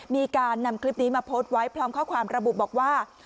มีการนำคลิปนี้มาโพสต์ไว้พร้อมข้อความระบุบอกว่า